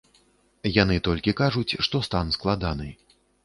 Яны толькі кажуць, што стан складаны.